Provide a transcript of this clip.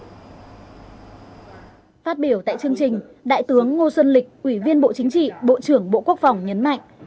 phát biểu tại chương trình đại tướng ngô xuân lịch ủy viên bộ chính trị bộ trưởng bộ quốc phòng nhấn mạnh